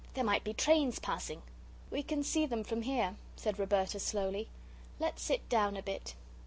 There might be trains passing." "We can see them from here," said Roberta, slowly; "let's sit down a bit."